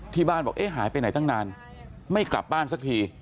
บ้านบอกเอ๊ะหายไปไหนตั้งนานไม่กลับบ้านสักที